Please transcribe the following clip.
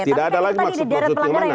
tidak ada lagi maksud maksudnya mana